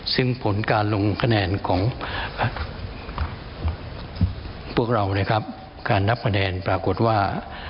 ซึ่งผลการลงคะแนนของพวกเรานะครับการนับคะแนนปรากฏว่า